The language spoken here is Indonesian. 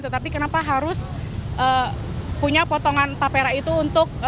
tetapi kenapa harus punya potongan tapera itu untuk